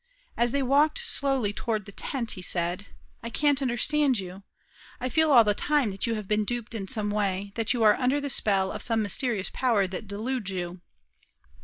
As they walked slowly towards the tent, he said: "I can't understand you. I feel all the time that you have been duped in some way; that you are under the spell of some mysterious power that deludes you."